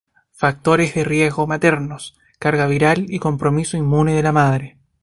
Factores de riesgo maternos: Carga viral y compromiso inmune de la madre.